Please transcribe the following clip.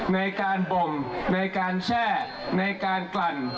ในการบ่มในการแช่ในการกลั่น